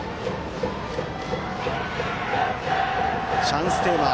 チャンステーマ。